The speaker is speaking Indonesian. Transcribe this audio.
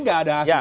tidak ada hasilnya